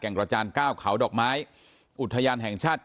กระจานเก้าเขาดอกไม้อุทยานแห่งชาติ